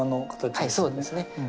はいそうですね。